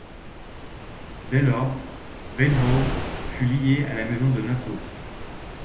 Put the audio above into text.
Dès lors, Weilbourg fut liée à la maison de Nassau.